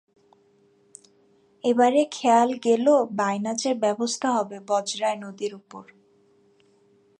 এবারে খেয়াল গেল বাইনাচের ব্যবস্থা হবে বজরায় নদীর উপর।